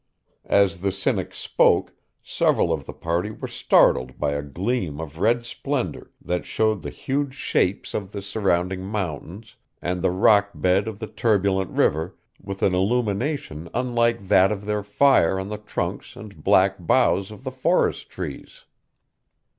As the Cynic spoke, several of the party were startled by a gleam of red splendor, that showed the huge shapes of the surrounding mountains and the rock bed of the turbulent river with an illumination unlike that of their fire on the trunks and black boughs of the forest trees.